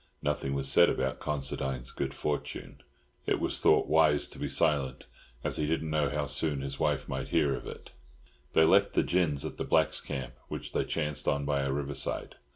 Nothing was said about Considine's good fortune. It was thought wise to be silent, as he didn't know how soon his wife might hear of it. They left the gins at the blacks' camp, which they chanced on by a riverside.